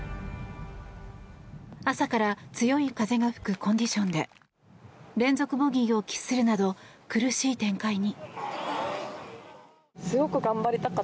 朝から強い風が吹くコンディションで連続ボギーを喫するなど苦しい展開に。